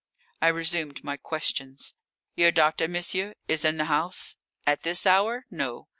I resumed my questions: "Your doctor, monsieur, is in the house?" "At this hour? No."